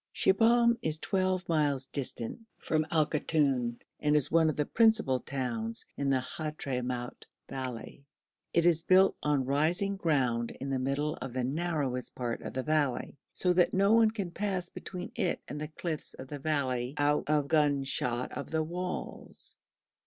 Shibahm is twelve miles distant from Al Koton, and is one of the principal towns in the Hadhramout valley. It is built on rising ground in the middle of the narrowest part of the valley, so that no one can pass between it and the cliffs of the valley out of gunshot of the walls.